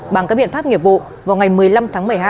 bằng các biện pháp nghiệp vụ vào ngày một mươi năm tháng một mươi hai